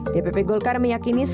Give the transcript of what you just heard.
dpp golkar meyakini setelahnya